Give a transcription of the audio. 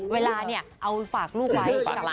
เวลาเนี่ยเพื่อนศีลส่งดูไเข้